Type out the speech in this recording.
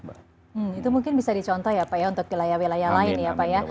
itu mungkin bisa dicontoh ya pak ya untuk wilayah wilayah lain ya pak ya